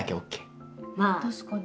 確かに。